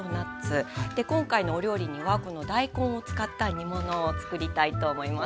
今回のお料理にはこの大根を使った煮物をつくりたいと思います。